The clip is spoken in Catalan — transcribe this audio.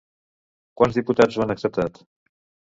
Quants diputats ho han acceptat?